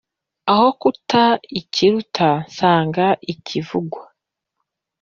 aho guta ikiruta nsanga ikivugwa